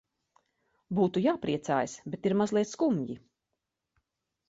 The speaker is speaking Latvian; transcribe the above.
Būtu jāpriecājas, bet ir mazliet skumji.